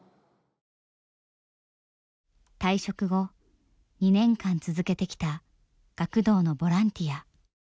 退職後２年間続けてきた学童のボランティア。